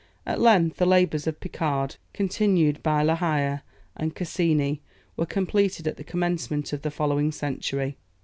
At length the labours of Picard, continued by La Hire and Cassini, were completed at the commencement of the following century.